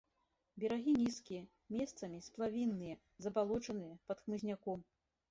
Берагі нізкія, месцамі сплавінныя, забалочаныя, пад хмызняком.